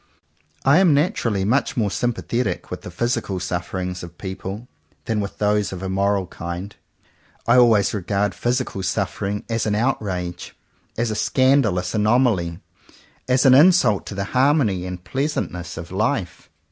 I am naturally much more sympathetic with the physical sufferings of people than with those of a moral kind. I always regard physical suffering as an outrage, as a scan dalous anomaly, as an insult to the harmony and pleasantness of life.